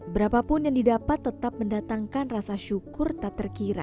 berapapun yang didapat tetap mendatangkan rasa syukur tak terkira